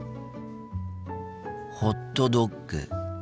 ホットドッグ。